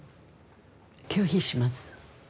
拒否します。